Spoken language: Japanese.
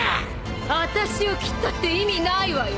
あたしを斬ったって意味ないわよ。